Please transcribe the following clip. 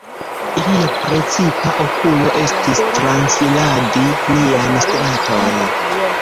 Ilia precipa okupo estis transiradi nian straton.